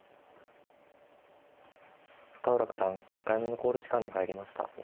深浦九段１回目の考慮時間に入りました。